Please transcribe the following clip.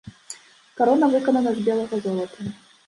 Карона выканана з белага золата.